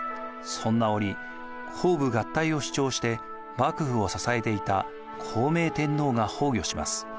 そんな折公武合体を主張して幕府を支えていた孝明天皇が崩御します。